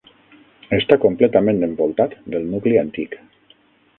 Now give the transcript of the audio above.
Està completament envoltat del nucli antic.